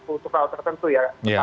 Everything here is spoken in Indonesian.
kultural tertentu ya